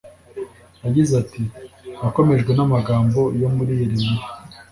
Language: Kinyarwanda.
yagize ati nakomejwe n’ amagambo yo muri Yeremiya